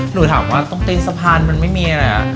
หนูถามว่าตรงตีนสะพานมันไม่มีอะไร